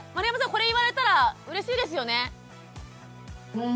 これ言われたらうれしいですよね？